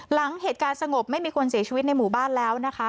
หลังเหตุการณ์สงบไม่มีคนเสียชีวิตในหมู่บ้านแล้วนะคะ